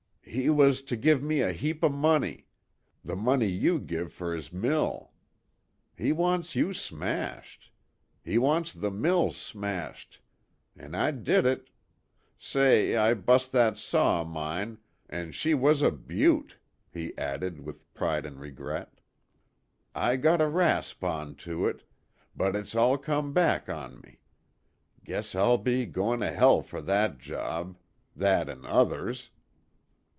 "He was to give me a heap o' money. The money you give fer his mill. He wants you smashed. He wants the mill smashed. An' I did it. Say, I bust that saw o' mine, an' she was a beaut'," he added, with pride and regret. "I got a rasp on to it. But it's all come back on me. Guess I'll be goin' to hell fer that job that an' others.